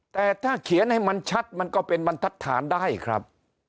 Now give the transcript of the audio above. แต่ถ้าเขียนให้มันชัดมันก็เป็นบรรทัดฐานได้ครับ